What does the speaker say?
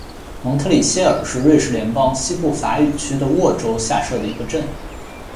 蒙特里谢尔是瑞士联邦西部法语区的沃州下设的一个镇。